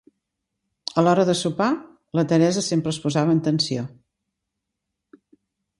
A l'hora de sopar la Teresa sempre es posava en tensió.